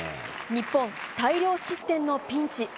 日本、大量失点のピンチ。